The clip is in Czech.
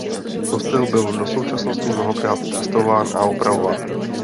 Kostel byl do současnosti mnohokrát přestavován a opravován.